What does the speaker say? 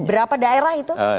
berapa daerah itu